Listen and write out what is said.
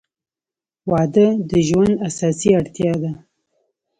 • واده د ژوند اساسي اړتیا ده.